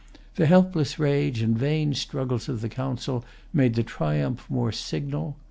The helpless rage and vain struggles of the Council made the triumph more signal.